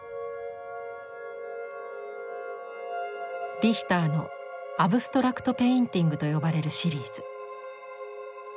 リヒターの「アブストラクト・ペインティング」と呼ばれるシリーズ。